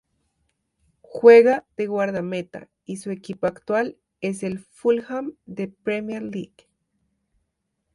Juega de guardameta y su equipo actual es el Fulham de la Premier League.